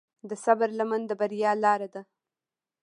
د صبر لمن د بریا لاره ده.